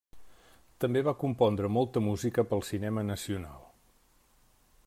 També va compondre molta música pel cinema nacional.